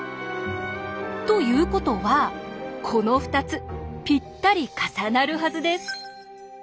ということはこの２つぴったり重なるはずです。